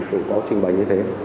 tôi cũng có trình bày như thế